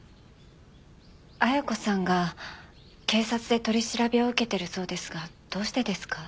亜矢子さんが警察で取り調べを受けているそうですがどうしてですか？